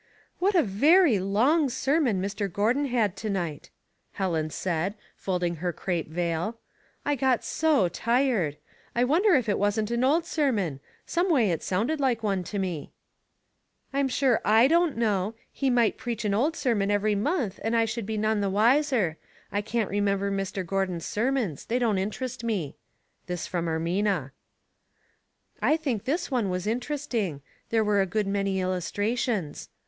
'* What a very long sermon Mr. Gordon had to night !" Helen said, folding her crape vail. '* I got so tired. I wonder if it wasn't an old sermon? Someway it sounded like one to me." I'm sure / don't know. He might preach an old sermon every month and I should be none the wiser. I can't remember Mr. Gordon's sermons ; they don't interest me." This from Ermina. " I tliink this one was niteresting ; there were a good many illustrations."